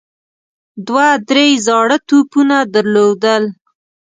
دوی درې زاړه توپونه درلودل.